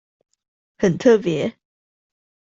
很特別